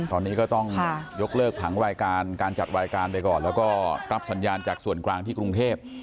ตอนนี้ก็ต้องยกเลิกผังรายการการจัดรายการไปก่อนแล้วก็รับสัญญาณจากส่วนกลางที่กรุงเทพ